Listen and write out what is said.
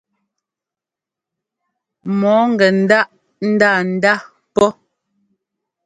Mɔɔ gɛ ńdáʼ ńdanda pɔ́.